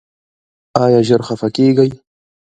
ایا ژر خفه کیږئ؟